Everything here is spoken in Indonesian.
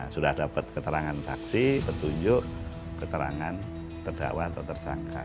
sudah dapat keterangan saksi petunjuk keterangan terdakwa atau tersangka